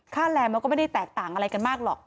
แรงมันก็ไม่ได้แตกต่างอะไรกันมากหรอก